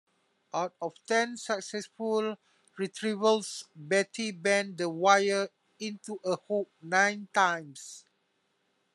Out of ten successful retrievals, Betty bent the wire into a hook nine times.